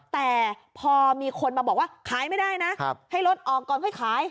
แต่พอมีคนมาบอกว่าขายไม่ได้นะให้รถออกก่อนค่อยขาย